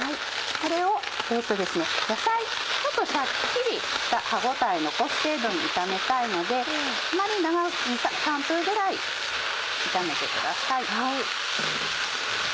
これを野菜ちょっとシャッキリした歯応え残す程度に炒めたいので３分ぐらい炒めてください。